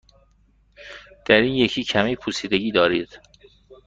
در این یکی کمی پوسیدگی دارید.